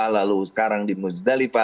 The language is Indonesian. lalu sekarang di muzdalifah